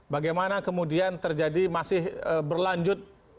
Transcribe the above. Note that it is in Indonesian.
bagaimana kemudian terjadi masih berlanjut